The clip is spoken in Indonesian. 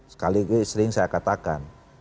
sekali sering saya katakan